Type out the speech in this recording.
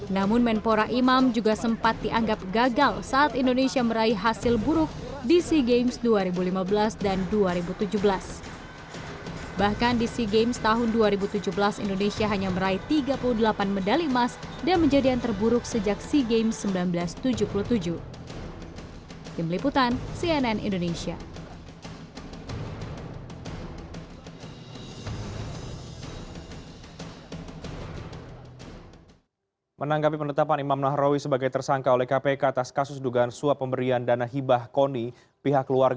namun menpora imam juga sempat dianggap sebagai sebuah kemampuan